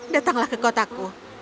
datanglah ke kotaku